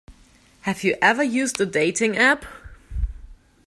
Have you ever used a dating app?